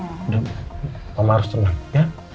udah ma mama harus tenang ya